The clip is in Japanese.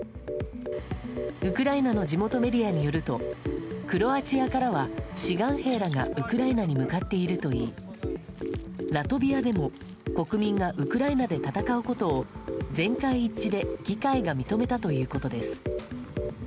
ウクライナの地元メディアによるとクロアチアからは、志願兵らがウクライナに向かっているといいラトビアでも国民がウクライナで戦うことを全会一致で議会が認めたということです。